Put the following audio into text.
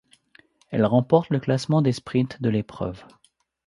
Elle remporte le classement des sprints de l'épreuve.